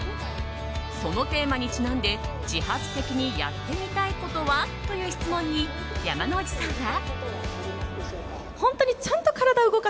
そのテーマにちなんで自発的にやってみたいことは？という質問に山之内さんは。